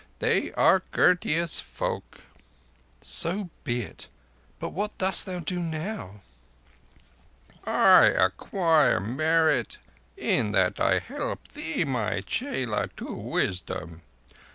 They are courteous folk." "So be it; but what dost thou do now?" "I acquire merit in that I help thee, my chela, to wisdom.